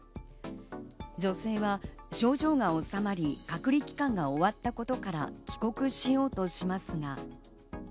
女性は症状が治まり、隔離期間が終わったことから帰国しようとしますが。